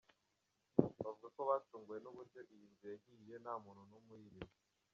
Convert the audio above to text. Bavuga ko batunguwe n’uburyo iyi nzu yahiye nta muntu n’umwe uyirimo.